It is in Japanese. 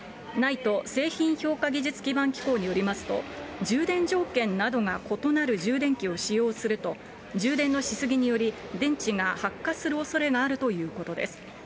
ＮＩＴＥ・製品評価技術基盤機構によりますと、充電条件などが異なる充電器を使用すると、充電のし過ぎにより、電池が発火するおそれがあるということです。